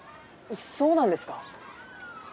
そうなんですか？